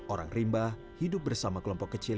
orang rimba hidup bersama kelompok kecil